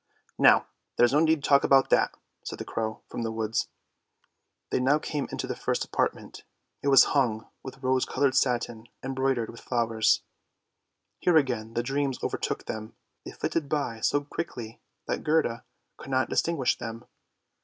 " Now, there's no need to talk about that," said the crow from the woods. They now came into the first apartment; it was hung with rose coloured satin embroidered with flowers. Here again the dreams overtook them, but they flitted by so quickly that Gerda could not distinguish them.